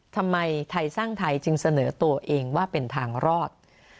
ทำไมไทยสร้างไทยจึงเสนอตัวเองว่าเป็นทางรอด